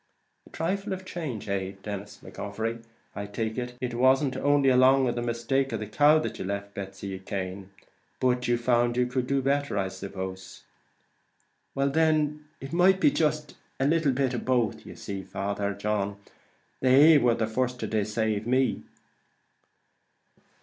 "A trifle of change, eh! Then, Mr. McGovery, I take it, it wasn't only along of the mistake about a cow that you left poor Betsy Cane, but you found you could do better, I suppose." "Well then, it might be jist a little of both; but you see, Father John, they war the first to decave me."